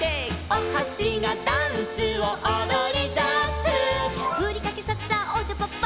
「おはしがダンスをおどりだす」「ふりかけさっさおちゃぱっぱ」